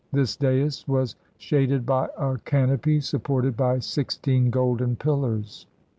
This dais was shaded by a canopy supported by sixteen golden pillars.